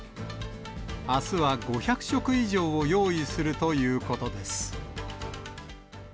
あすは５００食以上を用意するということです。